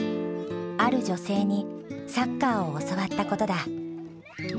ある女性にサッカーを教わったことだ。